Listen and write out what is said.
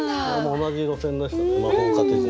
同じ路線でしたね